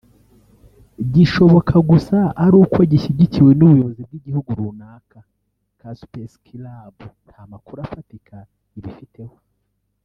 gishoboka gusa ari uko gishyigikiwe n’ubuyobozi bw’igihugu runaka […] Kaspersky Lab nta makuru afatika ibifiteho